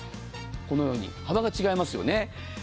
このように幅が違いますよね。